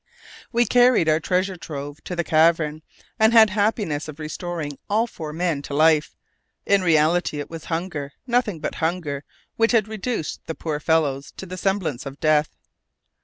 We carried our treasure trove to the cavern, and had the happiness of restoring all four men to life. In reality, it was hunger, nothing but hunger, which had reduced the poor fellows to the semblance of death.